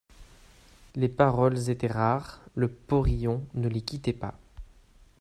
Les paroles étaient rares, le porion ne les quittait pas.